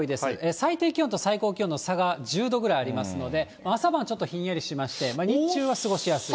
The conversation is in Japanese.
最低気温と最高気温の差が１０度ぐらいありますので、朝晩、ちょっとひんやりしまして、日中は過ごしやすい。